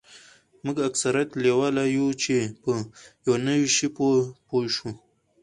موږ اکثریت لیواله یوو چې په یو نوي شي پوه شو